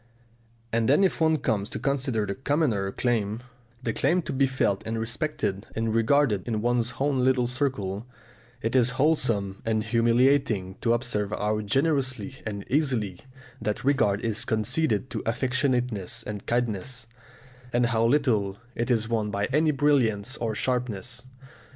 And then if one comes to consider the commoner claim, the claim to be felt and respected and regarded in one's own little circle, it is wholesome and humiliating to observe how generously and easily that regard is conceded to affectionateness and kindness, and how little it is won by any brilliance or sharpness.